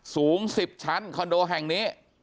สูง๑๐ชั้นคอนโดแห่งนี้